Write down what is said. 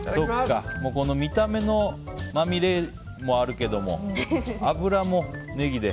この見た目のまみれもあるけども油もネギで。